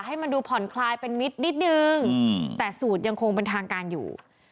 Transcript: ให้มันดูผ่อนคลายเป็นมิตรนิดนึงแต่สูตรยังคงเป็นทางการอยู่